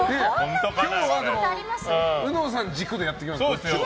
今日は、うのさん軸でやっていきますので。